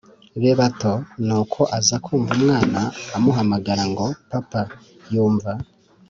be bato. nuko aza kumva umwana amuhamagara ngo: "papa!" yumva